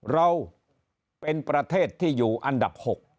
เราเป็นประเทศที่อยู่อันดับ๖